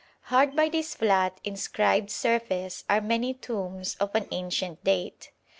Hard by this flat, inscribed surface are many tombs of an ancient date.